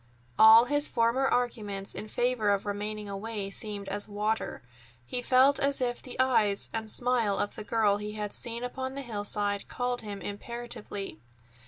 All his former arguments in favor of remaining away seemed as water. He felt as if the eyes and the smile of the girl he had seen upon the hillside called him imperatively.